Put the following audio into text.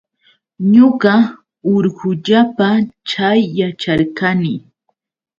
Ñuqa urqullapa chay yacharqani.